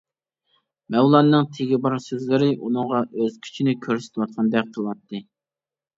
مەۋلاننىڭ تېگى بار سۆزلىرى ئۇنىڭغا ئۆز كۈچىنى كۆرسىتىۋاتقاندەك قىلاتتى.